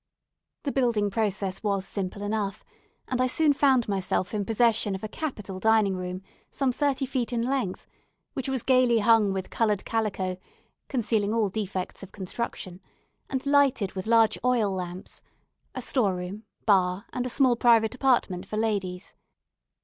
The building process was simple enough, and I soon found myself in possession of a capital dining room some thirty feet in length, which was gaily hung with coloured calico, concealing all defects of construction, and lighted with large oil lamps; a store room, bar, and a small private apartment for ladies.